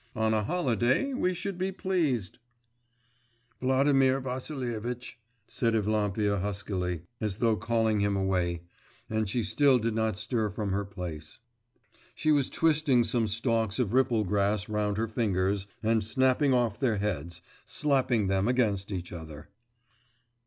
On a holiday, we should be pleased.' 'Vladimir Vassilievitch,' said Evlampia huskily, as though calling him away, and she still did not stir from her place. She was twisting some stalks of ripple grass round her fingers and snapping off their heads, slapping them against each other.